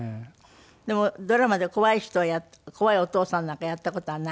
でもドラマで怖い人を怖いお父さんなんかやった事はないの？